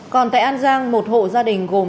còn tại an giang một hộ gia đình gồm sáu người sống